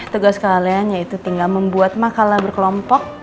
tugas kalian yaitu tinggal membuat makalah berkelompok